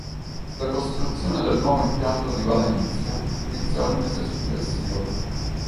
La costruzione del nuovo impianto di Valencia iniziò il mese successivo.